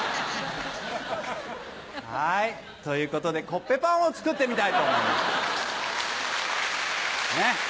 はいということでコッペパンを作ってみたいと思います。